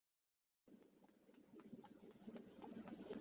Ur ḥṣiɣ ara itteddu akka.